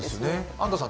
安藤さん